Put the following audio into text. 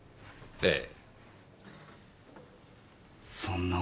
ええ。